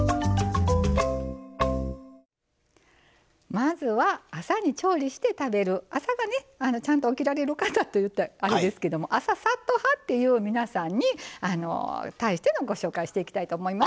まずは朝に調理して食べる朝が、ちゃんと起きられる方といったらあれですけど朝サッと派っていう皆さんに対してのご紹介をしていきたいと思います。